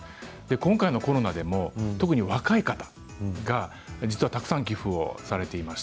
今回のコロナでも特に若い方がたくさん寄付をされています。